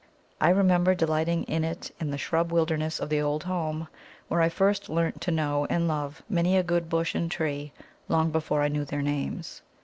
I remember delighting in it in the shrub wilderness of the old home, where I first learnt to know and love many a good bush and tree long before I knew their names.